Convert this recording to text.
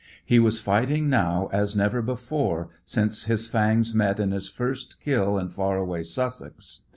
He was fighting now as never before since his fangs met in his first kill in far away Sussex.